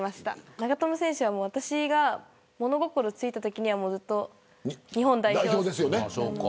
長友選手は私が物心ついたときにはずっと日本代表で。